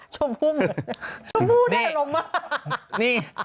ชมผู้เหมือน